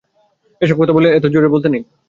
এসব কথা এতো জোরে বলতে নেই।